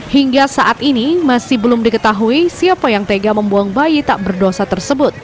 hingga saat ini masih belum diketahui siapa yang tega membuang bayi tak berdosa tersebut